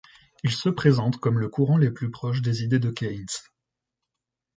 Il se présente comme le courant le plus proche des idées de Keynes.